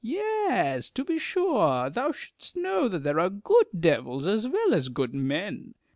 Yes, to he sure. Thou shouldest know that there are good devils as well as good men.